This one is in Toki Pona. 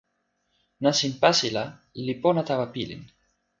nasin pasila li pona tawa pilin.